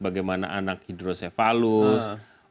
bagaimana anak hidrosefalus